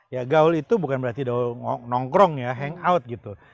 ya gaul itu bukan berarti nongkrong ya hangout gitu